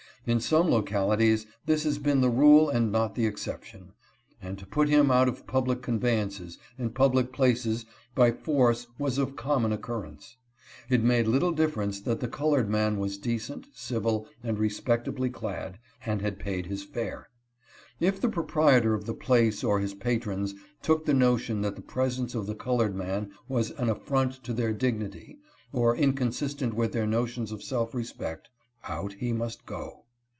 In some localities this has been the rule and not the exception, and to put him out of public conveyances and public places by force was of common occurrence. It made little difference that the colored man was decent, civil, and respectably clad, and had paid his fare. If the proprietor of the place or his patrons took the notion that the presence of the colored man was an affront to their dignity or inconsistent with their notions of self respect, out he must go.